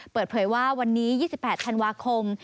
เปิดเผยว่าวันนี้๒๘ธันวาคม